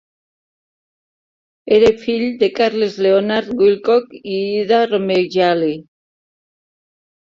Era fill de Carles Leonard Wilcock i Ida Romegialli.